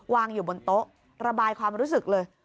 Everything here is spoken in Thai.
วางอยู่บนโต๊ะระบายความรู้สึกเลย